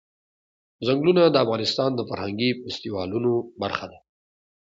ځنګلونه د افغانستان د فرهنګي فستیوالونو برخه ده.